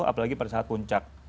apalagi pada saat puncak